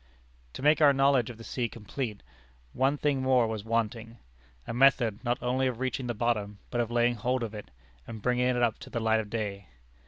To make our knowledge of the sea complete, one thing more was wanting a method not only of reaching the bottom, but of laying hold of it, and bringing it up to the light of day.